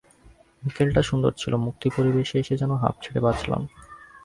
বিকেলটা সুন্দর ছিল, মুক্ত পরিবেশে এসে যেনো হাঁফ ছেড়ে বাঁচলাম।